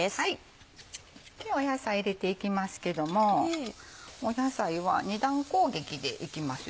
野菜入れていきますけども野菜は二段攻撃でいきますよ。